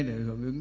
để hưởng ứng